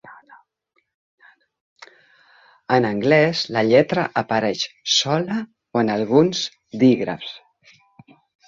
En anglès, la lletra apareix sola o en alguns dígrafs.